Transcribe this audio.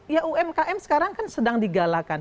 ya umkm sekarang kan sedang digalakan